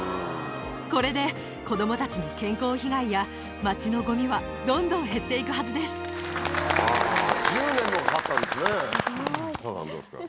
これで子どもたちの健康被害や町のごみは、どんどん減っていくは１０年もかかったんですね。